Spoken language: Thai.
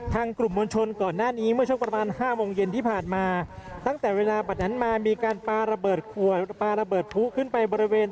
ทางกลุ่มมวลชนก่อนหน้านี้